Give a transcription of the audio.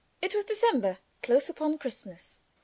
It was December, close upon Christmas.